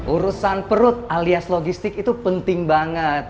urusan perut alias logistik itu penting banget